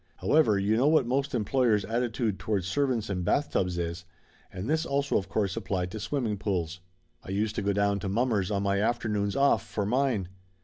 However, you know what most em ployers' attitude towards servants and bathtubs is, and this also of course applied to swimming pools. I used to go down to mommer's on my afternoons off, for mine.